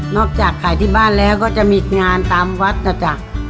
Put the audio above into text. จากขายที่บ้านแล้วก็จะมีงานตามวัดนะจ๊ะ